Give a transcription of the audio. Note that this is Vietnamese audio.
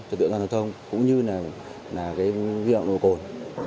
trực tượng giao thông cũng như là cái nguyên động nội cồn